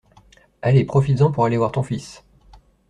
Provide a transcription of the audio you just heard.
Allez, profites-en pour aller voir ton fils.